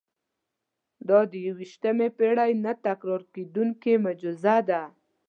دا د یوویشتمې پېړۍ نه تکرارېدونکې معجزه ده.